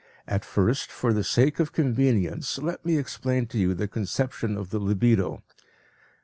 At first, for the sake of convenience let me explain to you the conception of the libido.